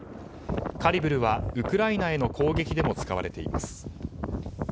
カリブルはウクライナへの攻撃でも使われています。